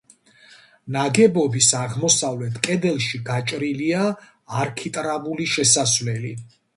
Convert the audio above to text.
ნაგებობის აღმოსავლეთ კედელში გაჭრილია არქიტრავული შესასვლელი.